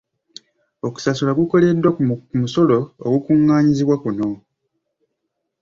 Okusasulwa kukoleddwa ku musolo ogukungaanyizibwa kuno.